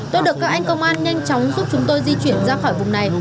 tôi được các anh công an nhanh chóng giúp chúng tôi di chuyển ra khỏi vùng này